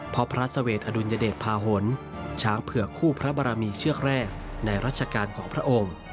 เพราะพระสเวทอดุลยเดชภาหลช้างเผือกคู่พระบรมีเชือกแรกในรัชกาลของพระองค์